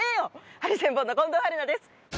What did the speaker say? ハリセンボンの近藤春菜です。